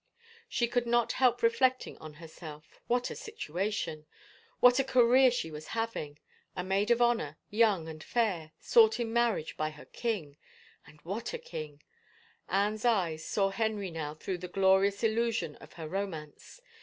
She could not help reflecting on herself — what a situation | What a career she was hav ing! A maid of honor, young and fair, sought in mar riage by her king I And what a king I Anne's eyes saw Henry now through the glorious illusion of her romance.